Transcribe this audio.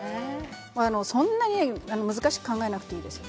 そんなに難しく考えなくていいんです。